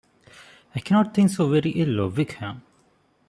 I cannot think so very ill of Wickham.